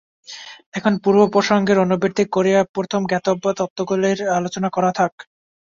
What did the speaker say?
এখন পূর্ব-প্রসঙ্গের অনুবৃত্তি করিয়া প্রথম জ্ঞাতব্য তত্ত্বগুলির আলোচনা করা যাক।